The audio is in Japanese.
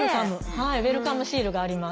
はいウェルカムシールがあります。